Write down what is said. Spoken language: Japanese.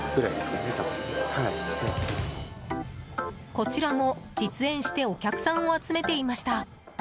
こちらも実演してお客さんを集めていました。